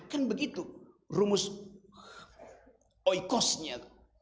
kan begitu rumus oykosnya